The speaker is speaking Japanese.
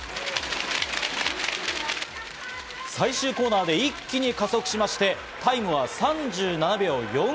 最終コーナーで一気に加速しまして、タイムは３７秒４９。